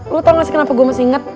lo tau gak sih kenapa gue masih inget